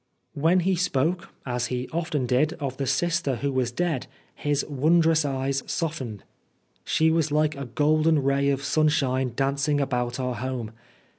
When he spoke, as he often did, of the sister who was dead, his wondrous eyes softened. " She was like a golden ray of sunshine dancing about our home."